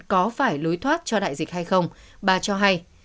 có phải lối thoát cho đại dịch hay không bà cho hay